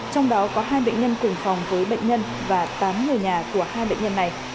trong đó có hai bệnh nhân cùng phòng với bệnh nhân và tám người nhà của hai bệnh nhân này